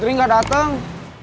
putri enggak datang